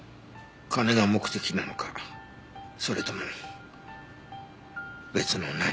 金が目的なのかそれとも別の何か。